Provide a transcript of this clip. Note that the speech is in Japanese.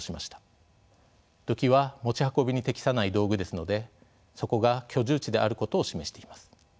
土器は持ち運びに適さない道具ですのでそこが居住地であることを示しています。